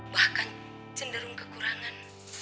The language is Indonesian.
bahkan cenderung kekurangan